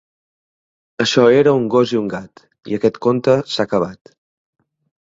Això era un gos i un gat, i aquest conte s'ha acabat.